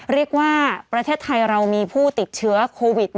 ประเทศไทยเรามีผู้ติดเชื้อโควิด